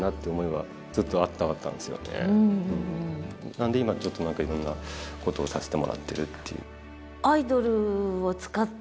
なので今ちょっといろんなことをさせてもらってるっていう。